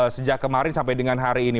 sejak kemarin sampai dengan hari ini